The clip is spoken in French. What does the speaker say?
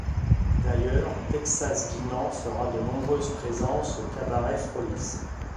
D'ailleurs Texas Guinan fera de nombreuses présences au Cabaret Frolics.